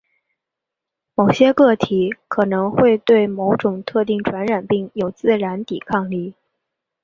某些个体可能会对某种特定传染病有自然抵抗力。